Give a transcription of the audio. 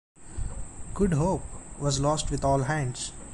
"Good Hope" was lost with all hands.